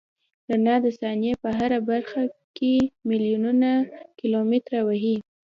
رڼا د ثانیې په هره برخه کې میلیونونه کیلومتره وهي.